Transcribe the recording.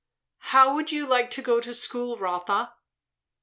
"How would you like to go to school, Rotha?"